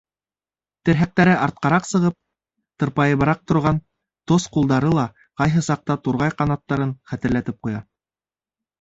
Терһәктәре артҡараҡ сығып, тырпайыбыраҡ торған тос ҡулдары ла ҡайһы саҡта турғай ҡанаттарын хәтерләтеп ҡуя.